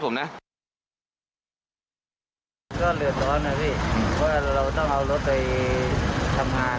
เพราะเราต้องเอารถไปทำงาน